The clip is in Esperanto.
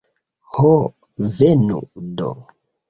Ho, venu do!